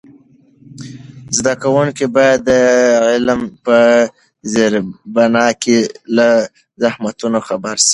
زده کوونکي باید د علم په زېربنا کې له زحمتونو خبر سي.